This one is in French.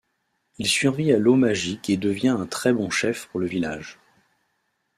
Il survit à l'eau magique et devient un très bon chef pour le village.